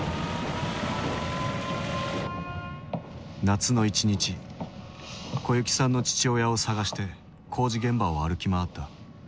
夏の一日小雪さんの父親を捜して工事現場を歩き回った。